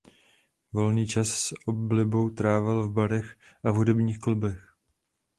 Volný čas s oblibou trávil v barech a v hudebních klubech.